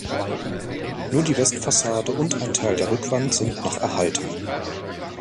Nur die Westfassade und ein Teil der Rückwand sind noch erhalten.